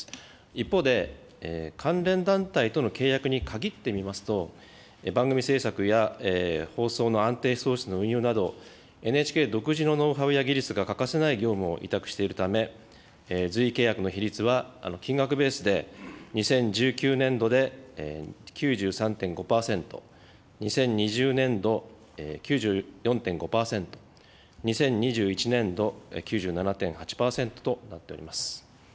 一方で、関連団体との契約に限って見ますと、番組制作や放送の安定送出の運用など、ＮＨＫ独自のノウハウや技術が欠かせない業務を委託しているため、随意契約の比率は金額ベースで、２０１９年度で９３．５％、２０２０年度、９４．５％、２０２１年度、９７．８％となっております。